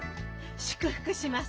祝福します。